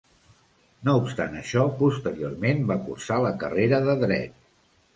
No obstant això posteriorment va cursar la carrera de Dret.